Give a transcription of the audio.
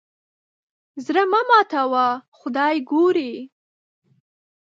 زړه مه ماتوه خدای ګوري.